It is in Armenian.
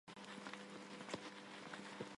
Նկարը գտնվում է մասնավոր հավաքածուում։